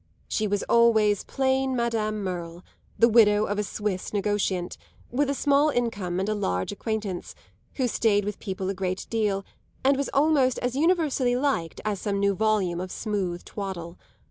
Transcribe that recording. She was always plain Madame Merle, the widow of a Swiss negociant, with a small income and a large acquaintance, who stayed with people a great deal and was almost as universally "liked" as some new volume of smooth twaddle.